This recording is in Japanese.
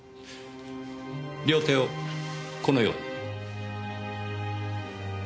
両手をこのように。